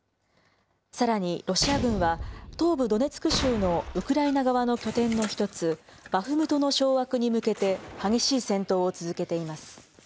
さらにロシア軍は、東部ドネツク州のウクライナ側の拠点の１つ、バフムトの掌握に向けて、激しい戦闘を続けています。